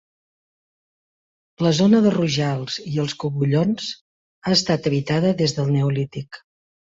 La zona de Rojals i els Cogullons ha estat habitada des del Neolític.